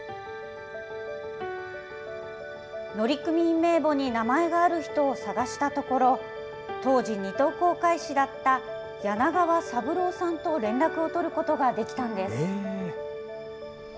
乗組員名簿に名前がある人を探したところ、当時、２等航海士だった柳川三郎さんと連絡を取ることができたんです。